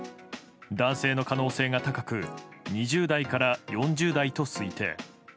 男性の可能性が高く２０代から４０代と推定。